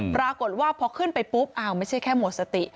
ปรากฏว่าพอขึ้นไปปุ๊บอ้าวไม่ใช่แค่หมดสติ